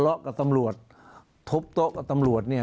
กับตำรวจทุบโต๊ะกับตำรวจเนี่ย